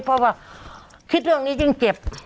เพราะว่าคิดเรื่องนี้ยิ่งเจ็บ